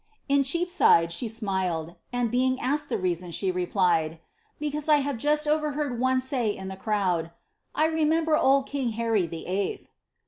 In Cheapside, she smiled, and being asked the reason, she replied, ^^ Be cause I have just overheard one say in the crowd, ^ I remember old king Harry the Eighth.'